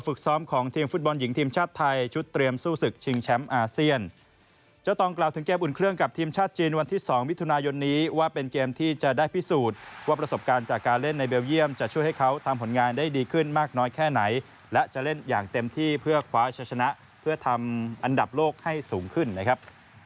อุ่นเครื่องกับทีมชาติจีนวันที่๒วิทยุนายนนี้ว่าเป็นเกมที่จะได้พิสูจน์ว่าประสบการณ์จากการเล่นในเบลเยี่ยมจะช่วยให้เขาทำผลงานได้ดีขึ้นมากน้อยแค่ไหนและจะเล่นอย่างเต็มที่เพื่อคว้าชนะเพื่อทำอันดับโลกให้สูงขึ้นนะครับ